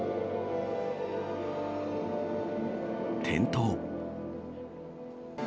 転倒。